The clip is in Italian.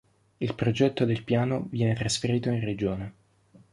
Il progetto del Piano viene trasferito in Regione.